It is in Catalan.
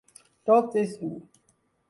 Tot és u.